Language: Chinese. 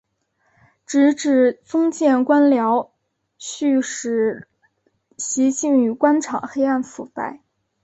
直指封建官僚胥吏习性与官场黑暗腐败。